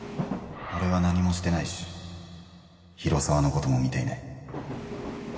俺は何もしてないし広沢のことも見ていない